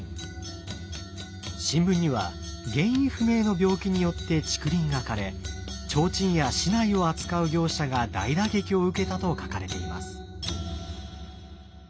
新聞には原因不明の病気によって竹林が枯れ提灯や竹刀を扱う業者が大打撃を受けたと書かれています。